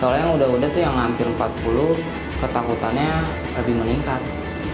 soalnya udah udah tuh yang hampir empat puluh ketakutannya lebih meningkat